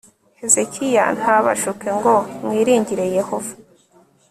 hezekiya ntabashuke ngo mwiringire yehova